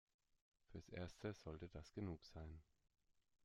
Fürs Erste sollte das genug sein.